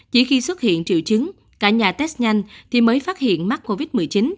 chỉ khi xuất hiện triệu chứng cả nhà test nhanh thì mới phát hiện mắc covid một mươi chín